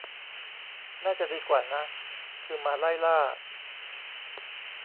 น่าจะดีกว่านะ คือมาไล่ล่า